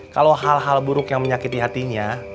kalau hal hal buruk yang menyakiti hatinya